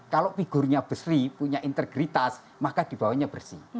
kalau figurnya besri punya integritas maka di bawahnya bersih